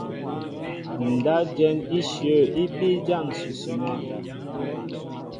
Ndáp jɛ̌n íshyə̂ í bíí ján ǹsʉsʉ nɛ́.